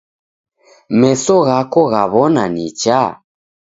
Meso ghako ghaw'ona nicha?